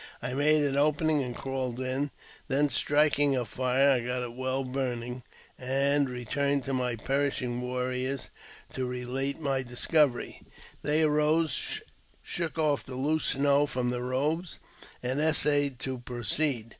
I made an opening and i crawled in; then striking fire, I got it well burning, and returned to my perishing warriors to relate my discovery. 'They arose and shook off the loose snow from their robes, and 'essayed to proceed.